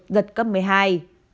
giật cấp một mươi hai năm độ vĩ bắc